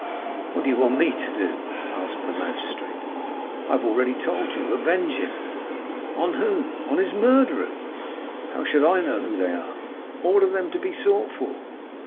"'What do you want me to do?' asked the magistrate. "'I have already told you—avenge him.' "'On whom?' "'On his murderers.' "'How should I know who they are?' "'Order them to be sought for.